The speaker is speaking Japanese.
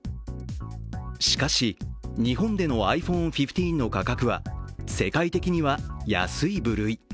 しかし日本でのｉＰｈｏｎｅ１５の価格は世界的には安い部類。